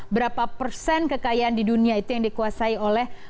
berapa persen kekayaan di dunia itu yang dikuasai oleh